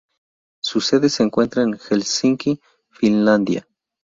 Su sede se encuentra en Helsinki, Finlandia.